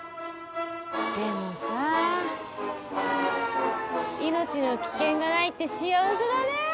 でもさ命の危険がないって幸せだねぇ。